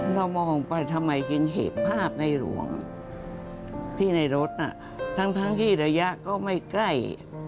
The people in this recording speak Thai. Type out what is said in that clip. เรามองไปทำไมจึงเห็นภาพในหลวงที่ในรถทั้งที่ระยะก็ไม่ใกล้